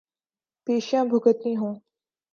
پیشیاں بھگتنی ہوں۔